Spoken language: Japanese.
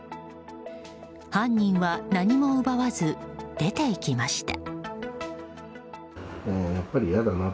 犯人は何も奪わず出て行きました。